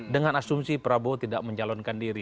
dengan asumsi prabowo tidak mencalonkan diri